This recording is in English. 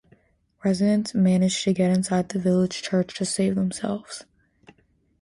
Residents managed to get inside the village church to save themselves.